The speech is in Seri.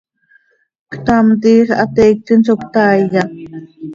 ¿Ctam, tiix hateiictim zo ctaaiya?